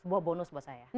sebuah bonus buat saya